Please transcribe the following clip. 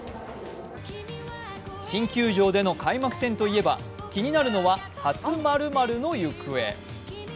新球場での開幕戦といえば気になるのは初○○の行方。